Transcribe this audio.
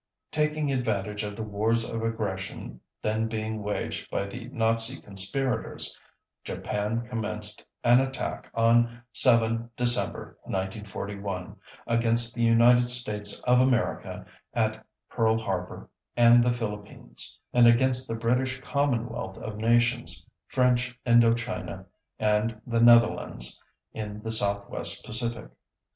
Taking advantage of the wars of aggression then being waged by the Nazi conspirators, Japan commenced an attack on 7 December 1941, against the United States of America at Pearl Harbor and the Philippines, and against the British Commonwealth of Nations, French Indo China, and the Netherlands in the southwest Pacific.